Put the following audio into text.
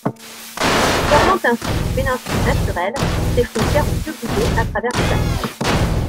Formant ainsi une péninsule naturelle, ses frontières ont peu bougé à travers les âges.